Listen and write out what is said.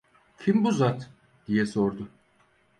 "Kim bu zat?" diye sordu.